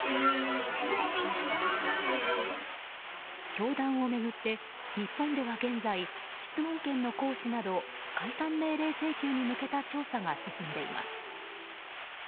教団を巡って日本では現在質問権の行使など解散命令請求に向けた調査が進んでいます。